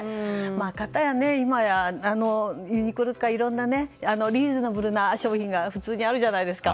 かたや、今やユニクロなどいろんなリーズナブルの商品が普通にあるじゃないですか。